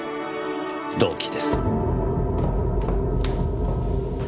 動機です。